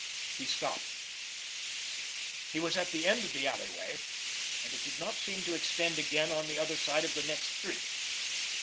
He stopped. He was at the end of the alleyway, and it did not seem to extend again on the other side of the next street.